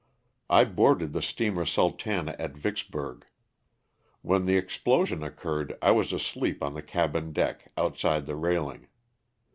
I boarded the steamer *' Sultana'' at Vicksburg. When the explosion occurred I was asleep on the cabin deck, outside the railing.